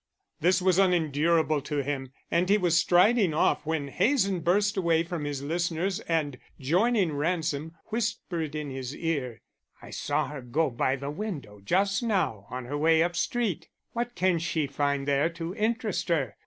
This was unendurable to him and he was striding off, when Hazen burst away from his listeners and, joining Ransom, whispered in his ear: "I saw her go by the window just now on her way up street. What can she find there to interest her?